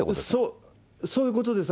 そういうことです。